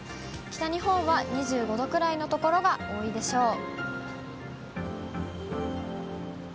北日本は２５度くらいの所が多いでしょう。